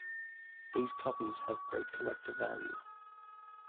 These copies have great collector value.